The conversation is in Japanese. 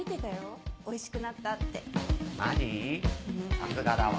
さすがだわ。